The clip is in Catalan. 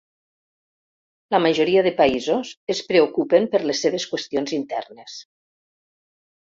La majoria de països es preocupen per les seves qüestions internes.